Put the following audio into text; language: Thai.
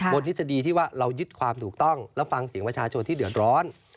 ทฤษฎีที่ว่าเรายึดความถูกต้องแล้วฟังเสียงประชาชนที่เดือดร้อน